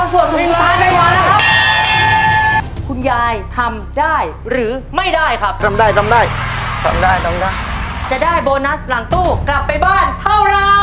ส่วนผิดค่ะคุณยายทำได้หรือไม่ได้ค่ะจะได้บโนซ์หลังตู้กลับไปบ้านเท่าไหร่